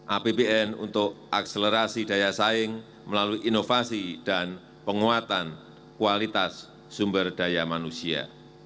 apbn untuk akselerasi daya saing melalui inovasi dan penguatan kualitas sumber daya manusia